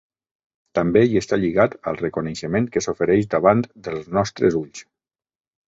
També hi està lligat al reconeixement que s'ofereix davant dels nostres ulls.